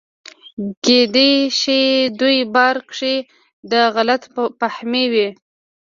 کېدے شي دَدوي باره کښې دا غلط فهمي وي